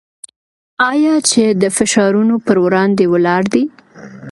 آیا چې د فشارونو پر وړاندې ولاړ دی؟